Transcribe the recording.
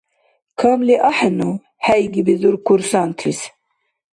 — Камли ахӀену?! — хӀейгибизур курсантлис.